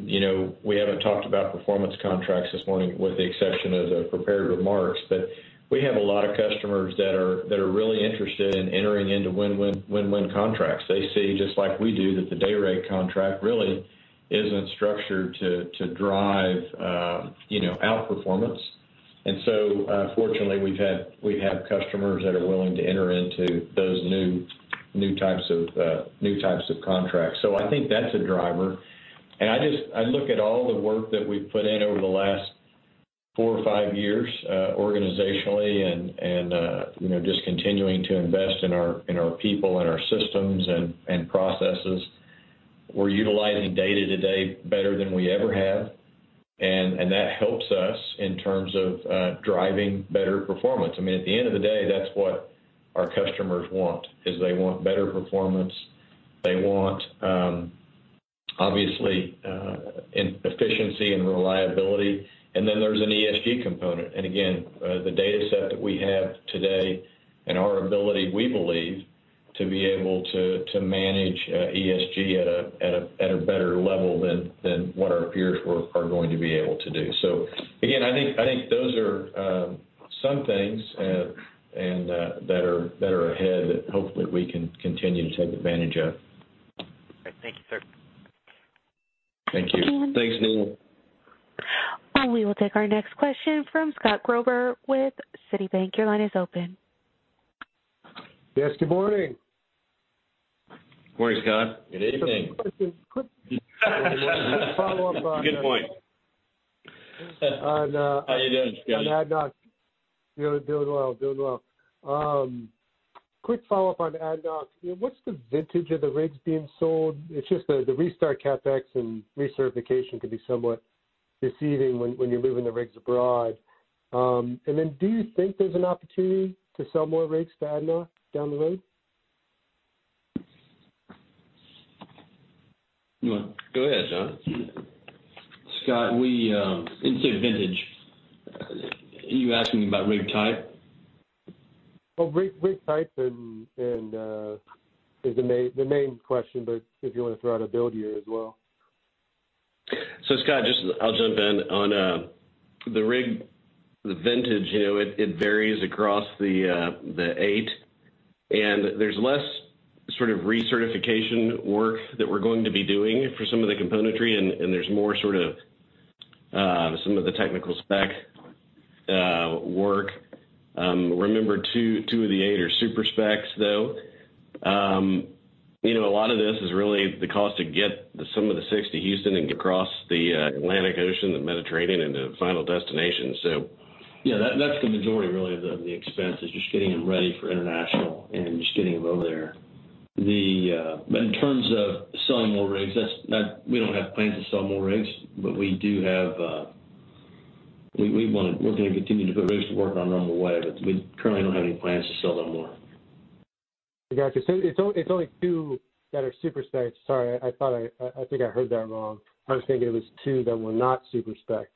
You know, we haven't talked about performance-based contracts this morning with the exception of the prepared remarks, but we have a lot of customers that are really interested in entering into win-win contracts. They see, just like we do, that the day rate contract really isn't structured to drive outperformance. Fortunately, we have customers that are willing to enter into those new types of contracts. I think that's a driver. I look at all the work that we've put in over the last four or five years, organizationally and just continuing to invest in our people and our systems and processes. We're utilizing data today better than we ever have, and that helps us in terms of driving better performance. I mean, at the end of the day, that's what our customers want, is they want better performance. They want obviously efficiency and reliability. Then there's an ESG component. Again, the data set that we have today and our ability, we believe, to be able to manage ESG at a better level than what our peers are going to be able to do. Again, I think those are some things and that are ahead that hopefully we can continue to take advantage of. Thank you, sir. Thank you. Thanks, Neil. We will take our next question from Scott Gruber with Citibank. Your line is open. Yes, good morning. Good morning, Scott. Good evening. Good point. How are you doing, Scott? Doing well. Quick follow-up on ADNOC. What's the vintage of the rigs being sold? It's just the restart CapEx and recertification could be somewhat deceiving when you're moving the rigs abroad, and then do you think there's an opportunity to sell more rigs to ADNOC down the road? Go ahead, John. Scott, we, you said vintage. Are you asking about rig type? Well, rig type and— is the main question, but if you wanna throw out a build year as well. Scott, I'll jump in on the rig, the vintage. You know, it varies across the eight, and there's less sort of recertification work that we're going to be doing for some of the componentry, and there's more sort of some of the technical spec work. Remember, two of the eight are super-spec, though. You know, a lot of this is really the cost to get some of the six to Houston and across the Atlantic Ocean, the Mediterranean into final destination. Yeah, that's the majority really of the expense is just getting them ready for international and just getting them over there. In terms of selling more rigs, we don't have plans to sell more rigs. We do have. We're gonna continue to put rigs to work in that way. We currently don't have any plans to sell them more. Got it. It's only two that are super-spec. Sorry, I think I heard that wrong. I was thinking it was two that were not super-spec,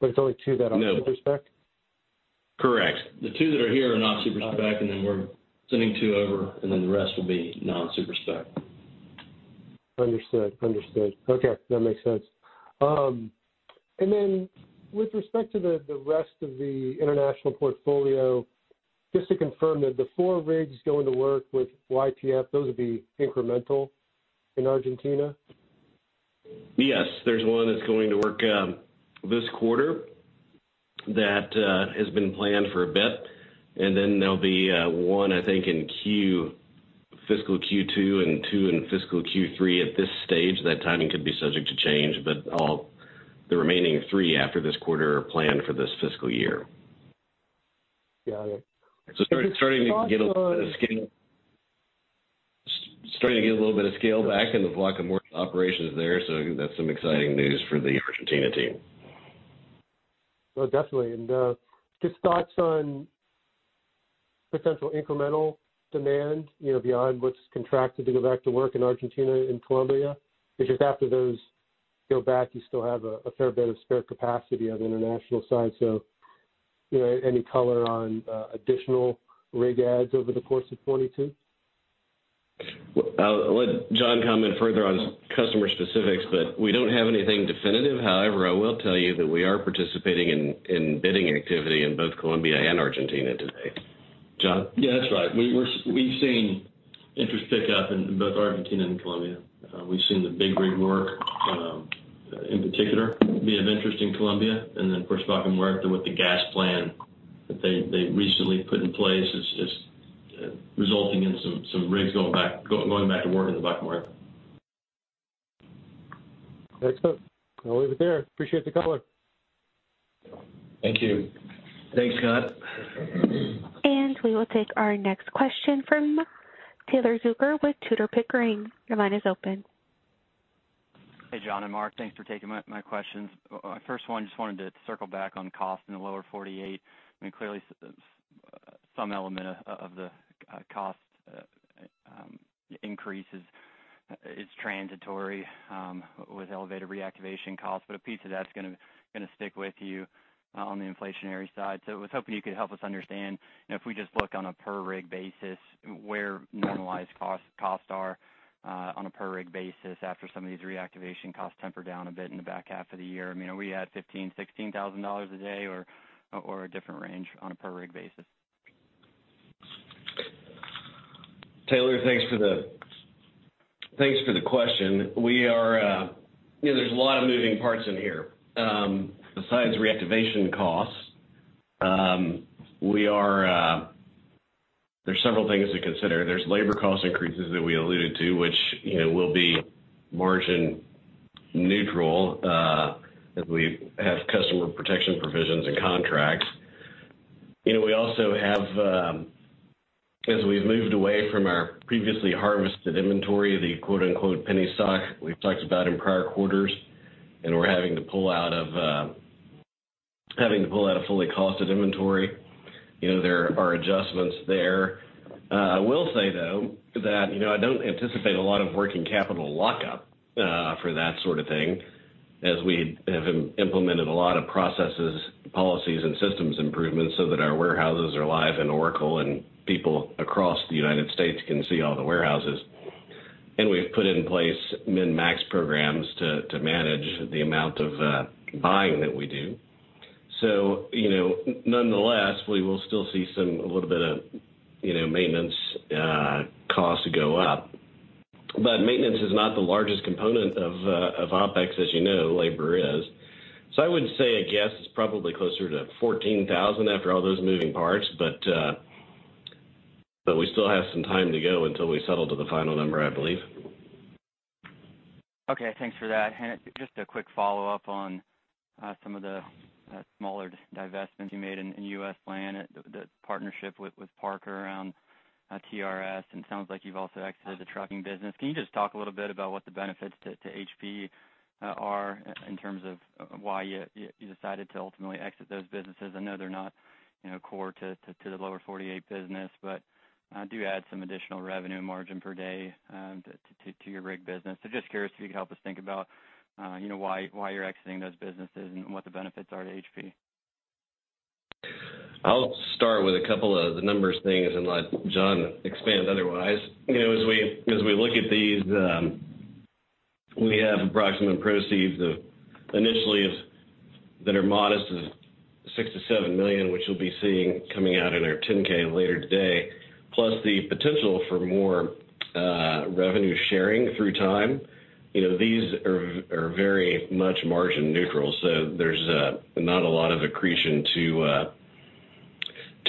but it's only two that are super-spec. No. Correct. The two that are here are not super-spec, and then we're sending two over, and then the rest will be non-super-spec. Understood. Okay, that makes sense. With respect to the rest of the international portfolio, just to confirm that the four rigs going to work with YPF, those would be incremental in Argentina? Yes. There's one that's going to work this quarter that has been planned for a bit, and then there'll be one, I think, in fiscal Q2 and two in fiscal Q3. At this stage, that timing could be subject to change, but all the remaining three after this quarter are planned for this fiscal year. Got it. Starting to get a little bit of scale back in the Vaca Muerta operations there. That's some exciting news for the Argentina team. Oh, definitely. Just thoughts on potential incremental demand, you know, beyond what's contracted to go back to work in Argentina and Colombia, because after those go back, you still have a fair bit of spare capacity on the international side. You know, any color on additional rig adds over the course of 2022? I'll let John comment further on customer specifics, but we don't have anything definitive. However, I will tell you that we are participating in bidding activity in both Colombia and Argentina today. John? Yeah, that's right. We've seen interest pick up in both Argentina and Colombia. We've seen the big rig work in particular be of interest in Colombia and then, of course, Vaca Muerta with the gas plan that they recently put in place. It's resulting in some rigs going back to work in the Vaca Muerta. Excellent. I'll leave it there. Appreciate the color. Thank you. Thanks, Scott. We will take our next question from Taylor Zurcher with Tudor, Pickering. Your line is open. Hey, John and Mark. Thanks for taking my questions. First one, just wanted to circle back on cost in the lower 48. I mean, clearly some element of the cost increase is transitory with elevated reactivation costs, but a piece of that's gonna stick with you on the inflationary side. I was hoping you could help us understand, you know, if we just look on a per rig basis, where normalized costs are on a per rig basis after some of these reactivation costs temper down a bit in the back half of the year. I mean, are we at $15,000, $16,000 a day or a different range on a per rig basis? Taylor, thanks for the question. You know, there's a lot of moving parts in here. Besides reactivation costs, there's several things to consider. There's labor cost increases that we alluded to, which, you know, will be margin neutral, as we have customer protection provisions and contracts. You know, we also have, as we've moved away from our previously-harvested inventory, the quote-unquote, penny stock, we've talked about in prior quarters, and we're having to pull out a fully-costed inventory, you know, there are adjustments there. I will say, though, that, you know, I don't anticipate a lot of working capital lockup, for that sort of thing, as we have implemented a lot of processes, policies and systems improvements so that our warehouses are live in Oracle and people across the United States can see all the warehouses. We've put in place min-max programs to manage the amount of buying that we do. You know, nonetheless, we will still see a little bit of, you know, maintenance costs go up. But maintenance is not the largest component of OpEx as you know, labor is. I would say a guess is probably closer to $14,000 after all those moving parts. But we still have some time to go until we settle to the final number, I believe. Okay. Thanks for that. Just a quick follow-up on some of the smaller divestments you made in U.S. land, the partnership with Parker around TRS, and it sounds like you've also exited the trucking business. Can you just talk a little bit about what the benefits to H&P are in terms of why you decided to ultimately exit those businesses? I know they're not, you know, core to the lower 48 business, but do add some additional revenue margin per day to your rig business. Just curious if you could help us think about, you know, why you're exiting those businesses and what the benefits are to H&P? I'll start with a couple of the numbers things and let John expand otherwise. You know, as we look at these, we have approximate proceeds that are initially modest, $6 million-$7 million, which you'll be seeing coming out in our Form 10-K later today, plus the potential for more revenue sharing through time. You know, these are very much margin neutral, so there's not a lot of accretion to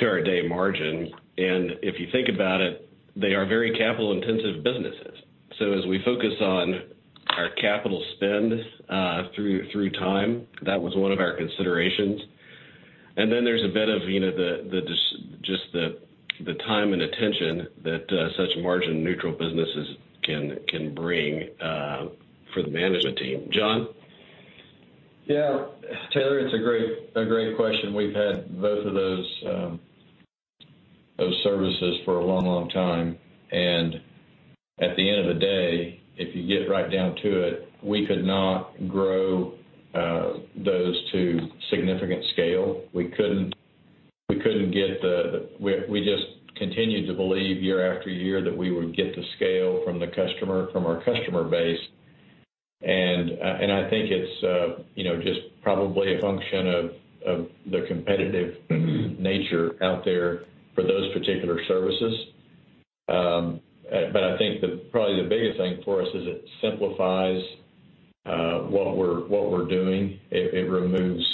our day margin. If you think about it, they are very capital-intensive businesses. As we focus on our capital spend through time, that was one of our considerations. Then there's a bit of, you know, the just the time and attention that such margin-neutral businesses can bring for the management team. John? Yeah. Taylor, it's a great question. We've had both of those services for a long time. At the end of the day, if you get right down to it, we could not grow those to significant scale. We couldn't get the— We just continued to believe year-after-year that we would get the scale from the customer, from our customer base. I think it's just probably a function of the competitive nature out there for those particular services. But I think probably the biggest thing for us is it simplifies what we're doing. It removes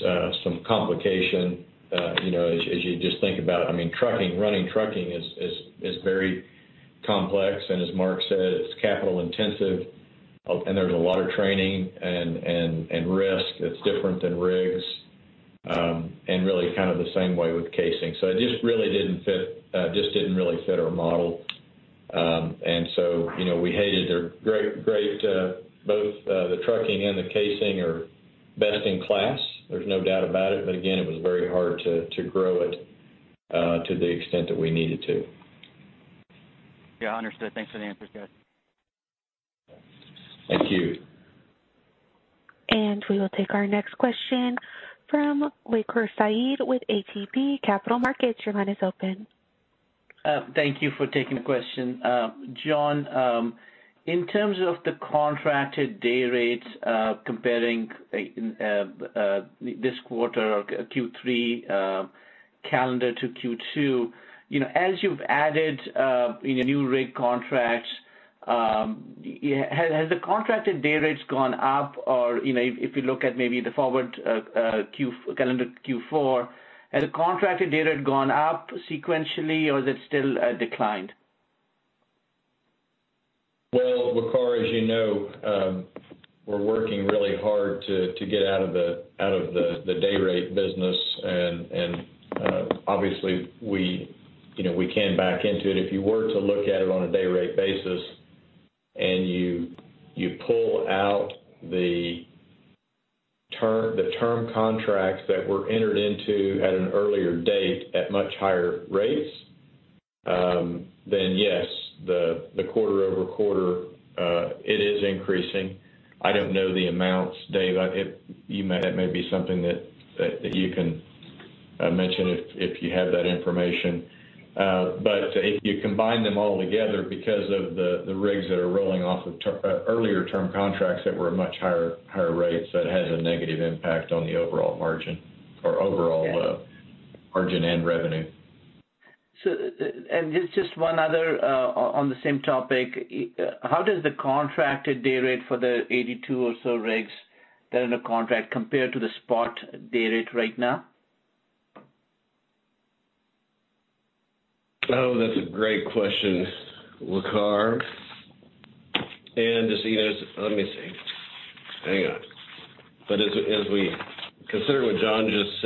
some complication. You know, as you just think about, I mean, trucking, running trucking is very complex. As Mark said, it's capital intensive. There's a lot of training and risk that's different than rigs, and really kind of the same way with casing. It just really didn't fit our model. You know, we hated their— great both the trucking and the casing are best in class, there's no doubt about it. Again, it was very hard to grow it to the extent that we needed to. Yeah. Understood. Thanks for the answers, guys. Thank you. We will take our next question from Waqar Syed with ATB Capital Markets. Your line is open. Thank you for taking the question. John, in terms of the contracted day rates, comparing this quarter or Q3 calendar to Q2, you know, as you've added, you know, new rig contracts, has the contracted day rates gone up? Or, you know, if you look at maybe the forward calendar Q4, has the contracted day rate gone up sequentially, or is it still declined? Well, Waqar, as you know, we're working really hard to get out of the day rate business. Obviously, we, you know, we can back into it. If you were to look at it on a day rate basis and you pull out the term contracts that were entered into at an earlier date at much higher rates, then, yes, the quarter-over-quarter it is increasing. I don't know the amounts. Dave, that may be something that you can mention if you have that information. If you combine them all together because of the rigs that are rolling off of earlier term contracts that were much higher rates, that has a negative impact on the overall margin or overall margin and revenue. Just one other on the same topic. How does the contracted day rate for the 82 or so rigs that are in a contract compare to the spot day rate right now? Oh, that's a great question, Waqar. As we consider what John just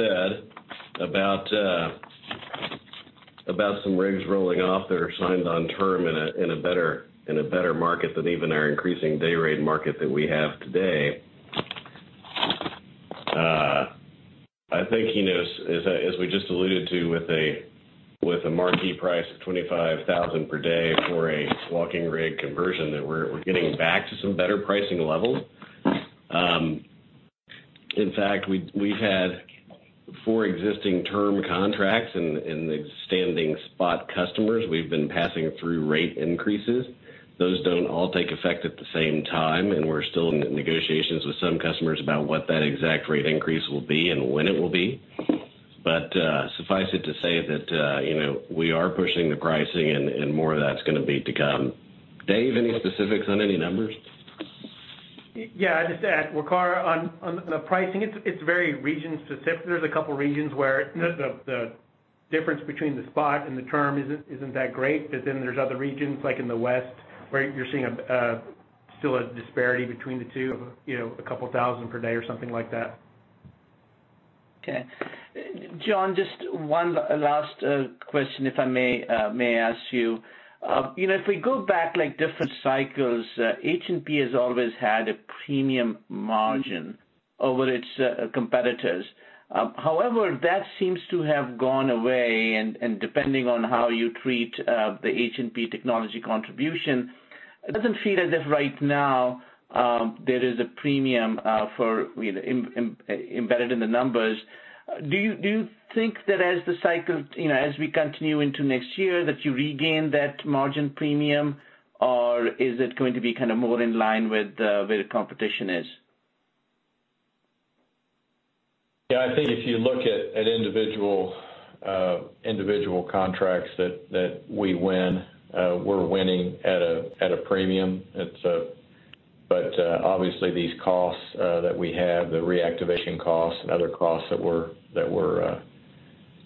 said about some rigs rolling off that are signed on term in a better market than even our increasing day rate market that we have today, I think, you know, as we just alluded to with a marquee price of $25,000 per day for a walking rig conversion, that we're getting back to some better pricing levels. In fact, we've had four existing term contracts and the standing spot customers, we've been passing through rate increases. Those don't all take effect at the same time, and we're still in negotiations with some customers about what that exact rate increase will be and when it will be. Suffice it to say that, you know, we are pushing the pricing and more of that's gonna be to come. Dave, any specifics on any numbers? Yeah. Just to add, Waqar, on the pricing, it's very region-specific. There's a couple of regions where the difference between the spot and the term isn't that great, but then there's other regions, like in the West, where you're seeing still a disparity between the two, you know, a couple of thousand per day or something like that. Okay. John, just one last question, if I may ask you. You know, if we go back like different cycles, H&P has always had a premium margin over its competitors. However, that seems to have gone away and depending on how you treat the H&P technology contribution, it doesn't feel as if right now there is a premium for, you know, embedded in the numbers. Do you think that as the cycle, you know, as we continue into next year, that you regain that margin premium or is it going to be kind of more in line with where the competition is? Yeah. I think if you look at individual contracts that we win, we're winning at a premium. Obviously these costs that we have, the reactivation costs and other costs that we're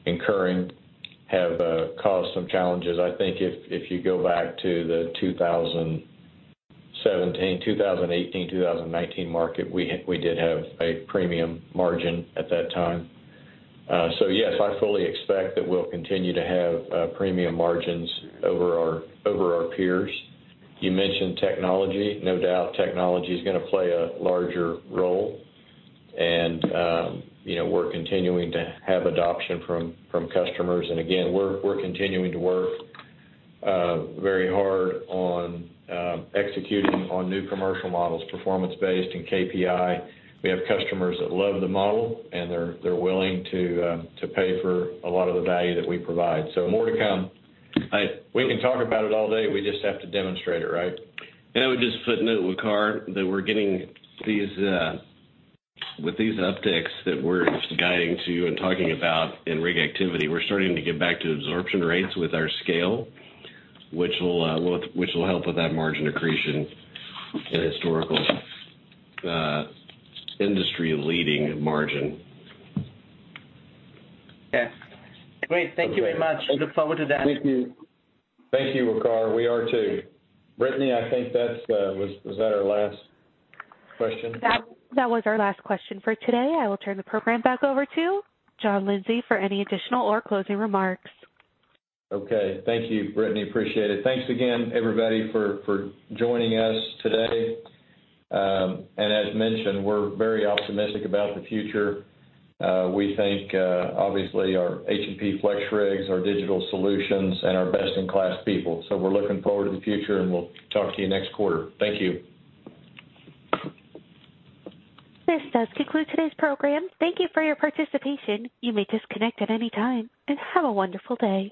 incurring have caused some challenges. I think if you go back to the 2017, 2018, 2019 market, we did have a premium margin at that time. Yes, I fully expect that we'll continue to have premium margins over our peers. You mentioned technology. No doubt, technology is gonna play a larger role. You know, we're continuing to have adoption from customers. Again, we're continuing to work very hard on executing on new commercial models, performance-based and KPI. We have customers that love the model, and they're willing to pay for a lot of the value that we provide. More to come. We can talk about it all day. We just have to demonstrate it, right? I would just footnote, Waqar, that we're getting these with these upticks that we're guiding to and talking about in rig activity. We're starting to get back to absorption rates with our scale, which will help with that margin accretion and historical industry-leading margin. Okay. Great. Thank you very much. We look forward to that. Thank you. Thank you, Waqar. We are too. Brittany, was that our last question? That was our last question for today. I will turn the program back over to John Lindsay for any additional or closing remarks. Okay. Thank you, Brittany. Appreciate it. Thanks again, everybody, for joining us today. As mentioned, we're very optimistic about the future. We thank obviously our H&P FlexRigs, our digital solutions, and our best-in-class people. We're looking forward to the future and we'll talk to you next quarter. Thank you. This does conclude today's program. Thank you for your participation. You may disconnect at any time, and have a wonderful day.